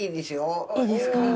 いいですよ。